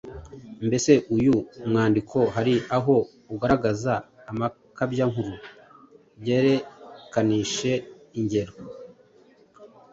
Mbese uyu mwandiko hari aho ugaragaza amakabyankuru? Byerekanishe ingero.